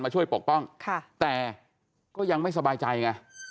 ช่วยปกป้องแต่ก็ยังไม่สบายใจไง